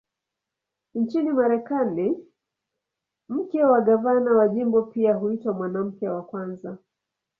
Nchini Marekani, mke wa gavana wa jimbo pia huitwa "Mwanamke wa Kwanza".